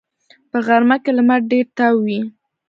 په غرمه کې لمر ډېر تاو وي